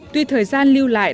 tuy thời gian lưu lại